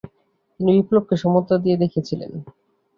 তিনি বিপ্লবকে সমতা নিয়ে দেখেছিলেন।